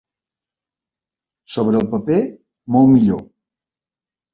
Sobre el paper, molt millor.